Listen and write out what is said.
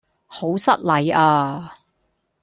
好失禮呀?